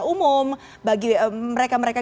umum bagi mereka mereka